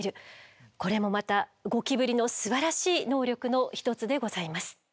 これもまたゴキブリのすばらしい能力の一つでございます。